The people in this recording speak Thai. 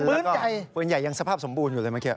แล้วก็ปืนใหญ่ยังสภาพสมบูรณ์อยู่เลยเมื่อกี้